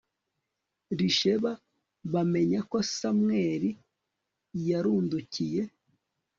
risheba bamenya ko Samweli yarundukiye